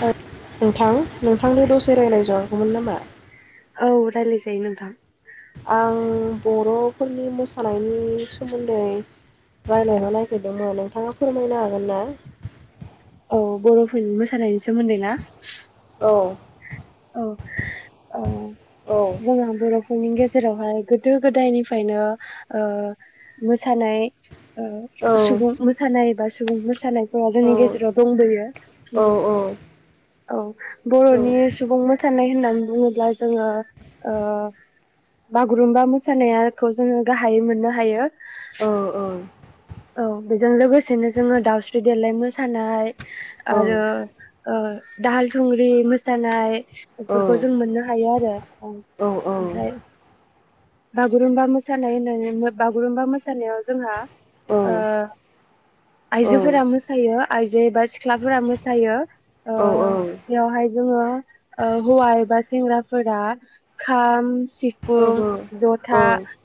औ। नोंथां नोंथांनो दसे रायलाय जागौमोन नामा? औ रायलाय जायो नोंथां। आं बर'फोरनि मोस सानायनि सोमोन्दै औ रायलायनो नागिरदोंमोन नोंथाङा फोरमायनो हागोन ना? औ बर'फोरनि मोसानायनि सोमोन्दै ना? औ। औ औ औ जोंहा बर'फोरनि गेजेरावहाय गोदो गोदायनिफ्रायनो ओ मोसानाय ओ औ सुबुं मोसानाय बा सुबुं मोसानाय औ जोंनि गेजेराव दंबोयो। औ औ। बर'नि मोसानाय होननानै बुङोब्ला जोङो ओ बागुरुम्बा मोसानायाखौ जोङो गाहायै मोननो हायो। ओ ओ। औ बेजों लोगोसेनो जोङो दाउस्रि देलााय मोसानाय आरो ओ दाहाल थुंग्रि मोसानाय बेफोरखौ जों मोननो हायो आरो। औ औ। ओमफ्राय बागुरुम्बा मोसानाय होननानै बागुरुमबा मोसानायाव जोंहा ओ आयजोफोरा मोसायो। आयजो एबा सिख्लाफोरा मोसायो। ओ बेवहाय जोङो ओ हौवा एबा सेंग्राफोरा खाम सि फुं ज'था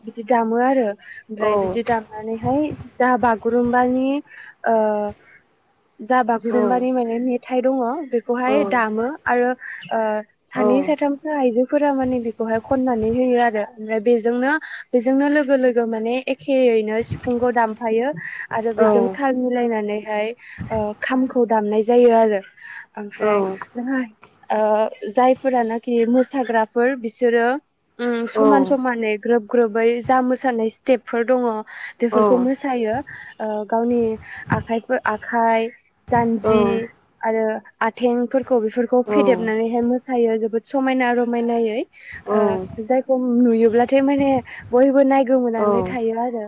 बिदि दामो आरो ओमफ्राय बिदि दामनानैहाय जा बागुरुमबानि ओ जा बागुरुम्बानि माने मेथाइ दङ' बेखौहाय दामो आरो ओ सानै साथामसो आइजोफोरा माने बेखौहाय खननानै होयो आरो ओमफ्राय बेजोंनो बेजोंनो लोगो लोगो माने एखेयैनो सिफुंखौ दामफायो। आरो बेजों थाल मिलायनानै हाय ओ खामखौ दामनाय जायो आरो। ओमफ्राय जोंहा ओ जायफोरानोखि मोसाग्राफोर बिसोरो ओम समान समानै ग्रोब ग्रोबै जा मोसानाय स्टेपफोर दङ बेफोरखौ मोसायो ओ गावनि आखाइफोर आखाइ जान्जि आरो आथेंफोरखौ बेफोरखौ फेदेबनानैहाय मोसायो जोबोद समायना रमायनायै। ओ जायखौ नुयोब्लाथाय माने बयबो नाय गोमोनै थायो आरो।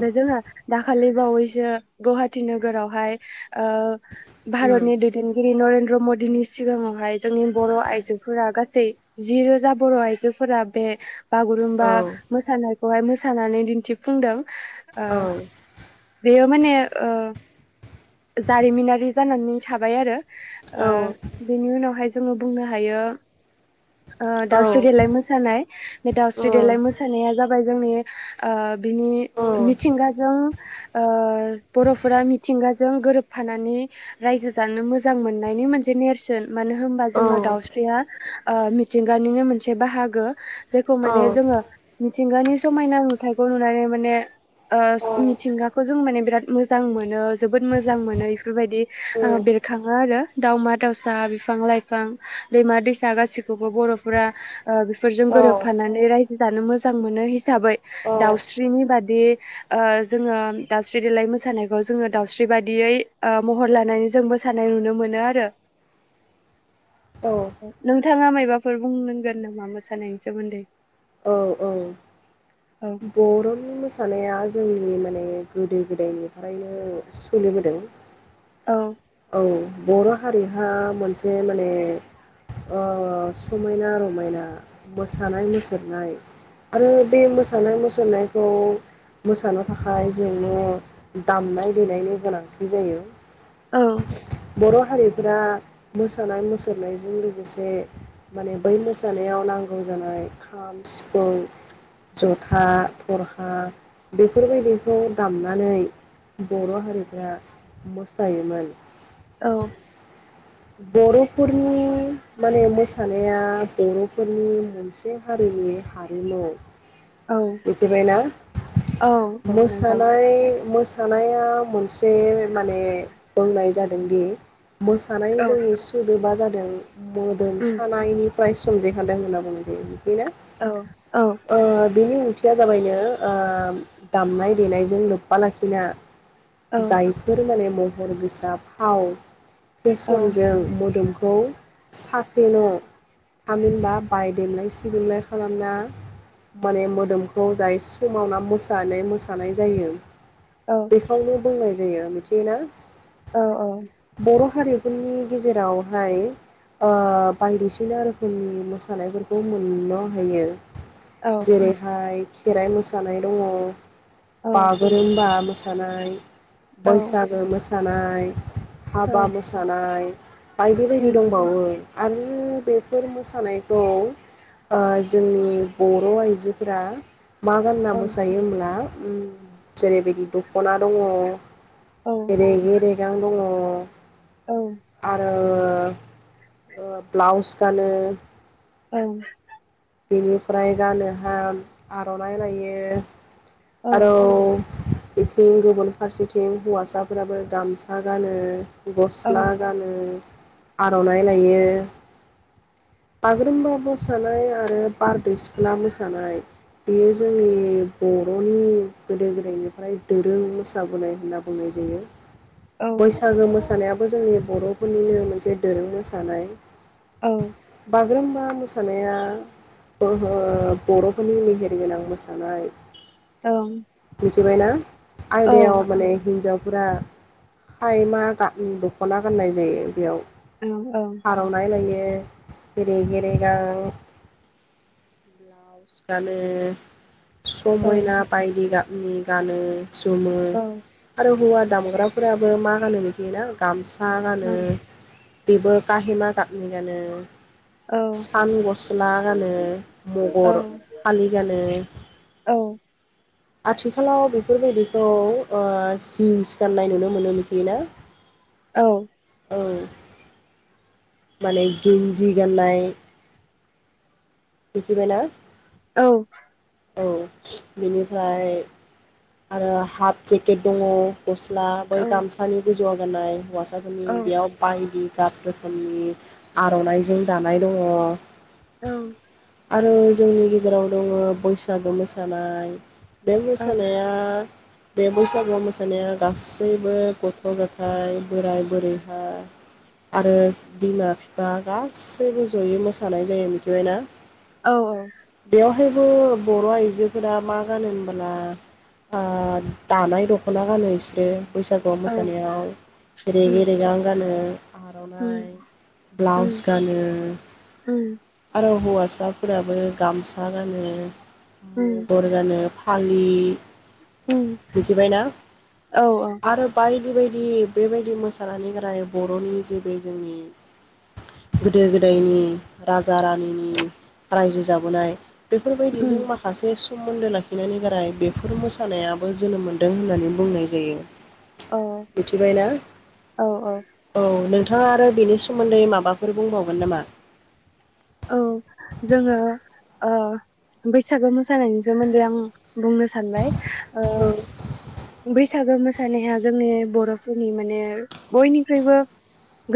दा जोंहा दाखालि बावैसो गुवाहाटि नोगोरावहाय ओ औ भारतनि दैदेनगिरि नरेन्द्र मदि दिनै सिगाङावहाय जोंनि बर' आइजोफोरा गासै जि रोजा बर' आइजोफोरा बे औ उम औ बागुरुम्बा मोसानाय बेहाय मोसानानै दिन्थिफुंदों। ओ औ। बेयो माने ओ जारिमिनारि जानानै थाबाय आरो ओ बेनि उनावहाय जोङो बुंनो हायो। ओ दाउस्रि देलाइ मोसा थानाय बे दावस्रि देलाय मोसानाया जाब जोंनि ओ बिनि मिथिंगाजों ओ बर'फोरा मिथिंगाजों गोरोबफानानै रायजो जानो मोजां मोननायनि मोनसे नेर सोन मानो होनबा जोङो दाउस्रिया ओ मिथिंगानिनो मोनसे बाहागो। जेखौ माने औ जोङो मिथिंगानि समायना नुथाइखौ नुनानै माने ओ मिथिंगाखौ जों माने बिराद मोजां मोनो जोबोद मोजां मोनो। बेफोरबायदि ओ बेरखाङो आरो। दाउमा दावसा बिफां लाइफां दैमा दैसा गासैखौबो बर'फोरा ओ बेफोरजों गोरोबफानानै रायजो जानो मोजां मोनो हिसाबै दाउस्रिनि बादि ओ जोङो दाउस्रि देलाय मोसानायखौ जोङो दाउस्रि बादियै ओ महर लानानै जों मोसानाय नुनो मोनो आरो। औ नों नोंथाङा मायबाफोर बुंनांगोन नामा मोसानायनि सोमोन्दै? औ औ। औ बर'नि मोसानाया जोंनिनो माने गोदो गोदायनिफ्रायनो सोलिबोदों। औ औ बर' हारिहा मोनसे माने ओ समायना रमायना मोसानाय मुसुरनाय आरो बे मोसानाय मुसुरनायखौ मोसानो थाखाय जोंनो दामनाय देनायनि गोनांथि जायो। औ। बर' हारिफोरा मोसानाय मुसुरनायजों लोगोसे माने बै मोसानायाव नांगौ जानाय खाम सिफुं जथा थरखा बेफोरबायदिखौ दामनानै बर' हारिफ्रा मोसायोमोन। औ। बर'फोरनि माने मोसानाया बर'फोरनि मोनसे हारिनि हारिमु। औ मिथिबायना औ औ नोंथां मोसानाय मोनथिबाय मोसा नाया मोनसे माने बुंनाय जादोंदि मोसानाय औ जोंनि सोदोबा जा दों मोदोम उम सानायनि फ्राय सोमजिखादों होनना बुंनाय जायो बेनो औ औ ओ बिनि ओं थिया जाबायनो ओ दामनाय देनायजों लोब्बा लाखिना औ जायफोर माने महर गोसा फाव औ फेसनजों मोदोमखौ खौ साफेन' थामहिनबा बायदेनाय सिदेनाय खालामना माने मोदोम खौ जाय समावना मोसानाय मोसानाय जायो औ बेखौनो बुंनाय जायो मिथियोना। औ औ। बर' हारिफोरनि गेजेरावहाय ओ बायदिसिना रोखोमनि मोसानायफोरखौ मोननो हायो। औ जेरैहाय खेराइ मोसानाय दङ बागुरुम्बा मोसानाय औ बैसागो मोसानाय नाय। हाबा मोसानाय बायदि बायदि उम दंबावो। आरो बेफोर मोसानायखौ ओ जोंनि बर' आइजोफोरा मा गानना औ मोसायोहोमब्ला उम जेरैबायदि दखना दङ औ रेगे रेगां दङ अ। औ आरो ओ ब्लाउस गानो औ। बेनिफ्राय गानोहा आर'नाइ लायो। औ आरोव बेथिं गुबुन फारसेथिं हौवासाफोराबो गामसा गानो। औ गस्ला गानो। आर'नाइ लायो बागुरुमबा मोसानाय ओ बारदै सिख्ला मोसानाय बेयो जोंनि बर'नि गोदो गोदायनिफ्राय दोरों मोसाबोनाय होनना बुंनाय जायो। औ बैसागो औ मोसानायाबो जोंनि बर'फोरनिनो मोनसे दोरों मोसानाय औ बाग्रुम्बा मोसानाया अहो बर'फोरनि मेहेर गोनां मोसानाय। औ मिथिबायना आयदायाव ओं माने हिनजाव फुरा खायमा गा-दख'ना गाननाय जायो बेयाव। ओं औ आर'नाय लायो। ए रेगे-रेगां ब्लाउस गान ओ औ समायना बायदि गाबनि गानो जुमो ओं आरो हौवा दामग्राफोराबो मा गानो मिथिगोना? गामसा सा औ गानो। बेबो काहिमा गाबनि गानो। औ सान गस्ला गानो औ मगर खालि गानो। आथिखालाव बेफोरबायदिखौ ओ जिन्स गाननाय नुनो मोनो मिथियोना? औ औ माने गेन्जि गान्नाय मिथिबायना? औ औ बेनिफ्राय आरो हाफ जेकेट दंङ। गस्ला बै गामसानि गुजु य गाननाय वास सागुनि बेयाव बायदि गाब रोखोमनि आर'नाइजों दानाय दंङ। औ आरो जोंनि गेजेराव दंङ बैसागु मोसानाय। बे मोसानाया बे बैसागु मोसानाया गासैबो गथ' गथाइ बोराय बुरैहा आरो बिमा बिफा गासैबो जयै मोसानाय जायो मिथिबायना? औ औ बेवहायबो बर' आइजोफोरा मा गानो होनबोला दानाय दख'ना गानो इसोरो । बैसागु औ मोसानायाव रेगे उम रेगां गानो उम आर'नाइ ब्लाउस उम गानो उम आरो हौवा हौवाफोराबो गामसा गानो । उम मगर जानो फालि उम मिथिबायना औ औ आरो बाय बेबायदि बेबायदि मोसानायनि गारै बर'नि जे बे जोंनि गोदो गोदायनि राजा रानिनि रायजो जाबोनाय बेफोरबायदिजों उम माखासे सोमोन्दो लाखिनानै गाराय बेफोर मोसानायाबो जोनोम मोन्दों होननानै बुंनाय जायो । औ मिथिबायना औ नोंथ नोंथाङा आरो बिनि सोमोन्दै माबाफोर बुंबावगोन नामा? औ जोङो ओ बैसागो मोसानायनि सोमोन्दै आं बुंनो सानबाय ओ औ बै बैसागो मोसानाया जोंनि बर'फोरनि माने बयनिख्रुइबो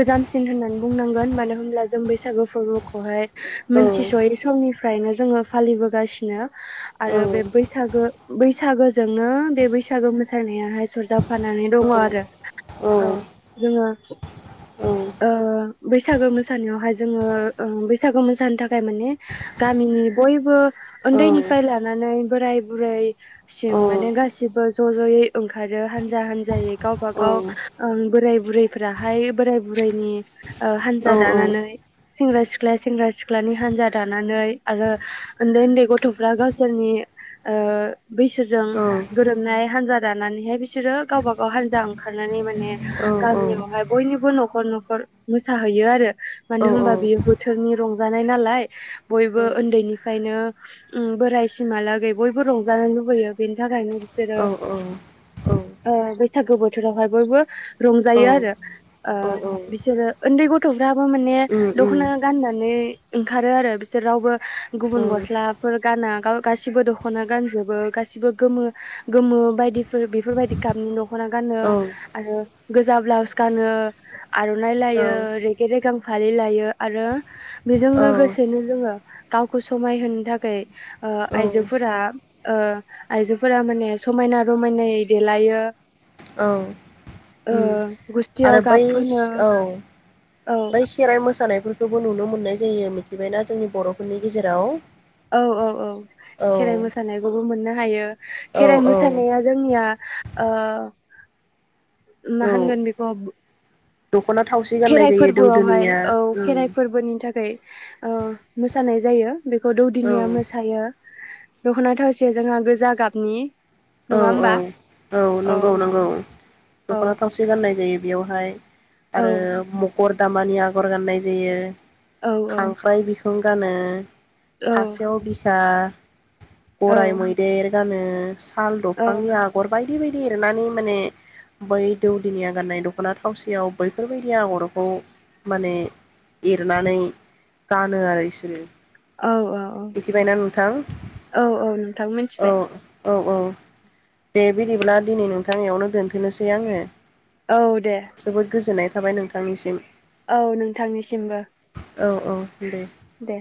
गोजामसिन होननानै बुंनांगोन मानो होनब्ला जों बैसागो फोरबोखौ बेहाय औ मिथिसयै समनि फ्रायनो जोङो फालिबोगासिनो औ आरो बे बैसाग बैसागोजोंनो बे बैसागो मोसानायाहाय सरजाब फानानै दङ आरो । औ जोङो औ ओ बैसागो मोसानायावहाय जोङो बैसागु मोसानो थाखाय माने गामिनि बयबो उन्दैनिफ्राय लानानै बोराय बुरैसिम औ माने गासिबो ज' ज'यै ओंखारो हानजा हानजायै गावब गाव औ बोराय बुरैफोराहाय बोराय बुरायनि ओ हानजा दानानै सेंग्रा सिख्ला सेंग्रा सिख्लानि हानजा दानानै आरो उन्दै उन्दै गथ'फ्रा गावसोरनि ओ बैसोजों गोरोबनाय हानजा दानानैहाय बिसोरो गावबा गाव हानजा ओंखारनानै माने गामियावहाय बयनिबो नख न'खर न'खर मोसाहैयो आरो मानो होमबा बियो बोथोरनि रंजानाय नालाय बयबो उन्दैनिफ्रायनो बोराय सिमहालागै बयबो रंजानो लुबैयो बेनि थाखायनो बिसोरो ओ बैसागु बोथोरावहाय बयबो रंजायो आरो बिसोरो उन्दै गथ' थाङाबो माने दख'ना गाननानै ओंखारो आरो बिसोर रावबो गुबुन गस्लाफोर गाना गासिबो दख'ना गानजोबो गासिबो गोमो गोमो बायदिफोर बेफोरबायदि गाबनि न'खर दखना गानो आरो गोजा ब्लाउस गानो आर'नाइ औ लायो रेगे रेगां फालि लायो आरो बेजों औ लोगोसेनो जोङो गावखौ समायहोनो थाखाय ओ औ आइजोफोरा ओ आइजोफोरा माने समायना रमायनायै देलायो औ ओ ओम आरो गुस्थियाव बै गाब फोनो औ औ बै खेराइ मोसानाय बेफोरखौबो नुनो मोननाय जायो मिथिबायना जोंनि बर'फोरनि गेजेराव औ औ औ औ खेराइ मोसानाय बेखौबो मोननो हायो औ खेराइ औ मोसानाया जोंनिया ओ औ मा होनगोन बेखौ दख'ना थावसि गाननाय खेराइ जायो फोरबोआवहाय दौदोनिया औ खेराइ फोरबोनि थाखाय ओ मोसानाय जायो बे औ दौदिनिया मोसायो दख'ना थावसेया जोंहा गोजा गाबनि औ नङा औ होमबा औ औ नंगौ नंगौ औ दख'ना थावसि गाननाय जायो बेयावहाय औ आरो मकर दामानि आगर गाननाय जायो औ खांख्राय बिखा [inaudible] गानो औ खासेव बिखा औ गराय मैदेर दानोस थाल दंफांनि आगरबायदि बिबायदि एरनानै माने बै दौदिनिया गाननाय दख'ना थावसेयाव बैफोरबायदि आगरखौ माने एरनानै गानो आरो बिसोरो औ औ औ मिथिबायना नोंथां औ औ नोंथां औ मिनथिबाय औ औ बे बिदिब्ला दिनै नोंथांयावनो दोनथ'नोसै आङो। औ दे जोबोद गोजोननाय थाबाय नोंथांनिसिम। औ नोंथांनिसिमबो औ औ दे दे।